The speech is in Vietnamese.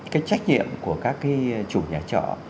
cái trách nhiệm của các chủ nhà trọ